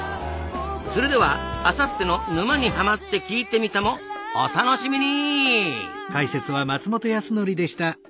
それではあさっての「沼にハマってきいてみた」もお楽しみに！